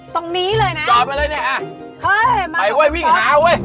ตรงนี้เลยนะจอดไปเลยนะอ้าาไปเว้ยวิ่งหาเว้ย